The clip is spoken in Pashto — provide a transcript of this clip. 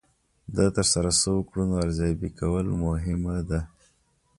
د ترسره شوو کړنو ارزیابي کول مهمه ده.